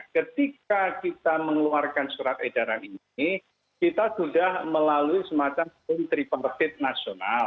ketika kita mengeluarkan surat edaran ini kita sudah melalui semacam kontripartit nasional